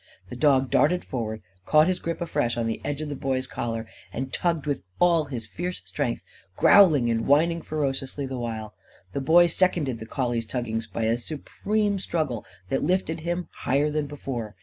The dog darted forward, caught his grip afresh on the edge of the Boy's collar, and tugged with all his fierce strength; growling and whining ferociously the while. The Boy seconded the collie's tuggings by a supreme struggle that lifted him higher than before.